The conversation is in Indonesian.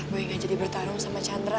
gue gak jadi bertarung sama chandra